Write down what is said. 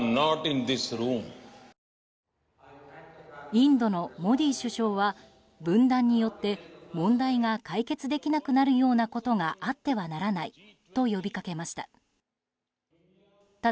インドのモディ首相は分断によって問題が解決できなくなるようなことはあってはならないと呼びかけました。